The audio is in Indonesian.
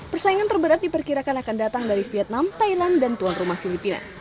persaingan terberat diperkirakan akan datang dari vietnam thailand dan tuan rumah filipina